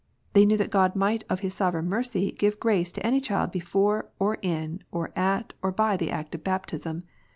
They knew that GrodT might of bis sovereign mercyjamrace to, any child Trafpre, or^in. orlit, or by the act of baptism.